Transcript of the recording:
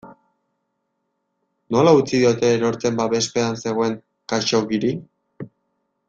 Nola utzi diote erortzen babespean zegoen Khaxoggiri?